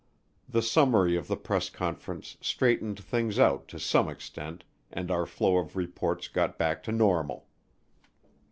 The summary of the press conference straightened things out to some extent and our flow of reports got back to normal.